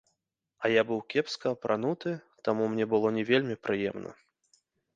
А я быў кепска апрануты, таму мне было не вельмі прыемна.